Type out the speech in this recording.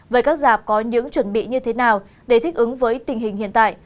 vậy các giảp có những chuẩn bị như thế nào để thích ứng với tình hình hiện tại